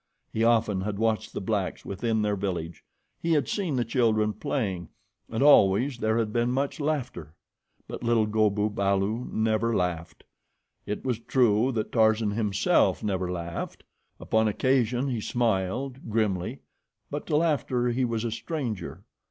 He often had watched the blacks within their village. He had seen the children playing, and always there had been much laughter; but little Go bu balu never laughed. It was true that Tarzan himself never laughed. Upon occasion he smiled, grimly, but to laughter he was a stranger.